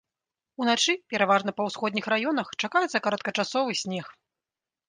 Уначы, пераважна па ўсходніх раёнах, чакаецца кароткачасовы снег.